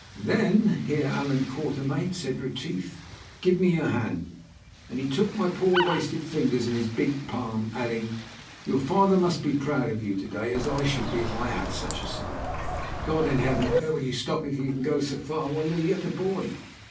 "Then, Heer Allan Quatermain," said Retief, "give me your hand," and he took my poor wasted fingers in his big palm, adding, "Your father must be proud of you to day, as I should be if I had such a son. God in Heaven! where will you stop if you can go so far while you are yet a boy?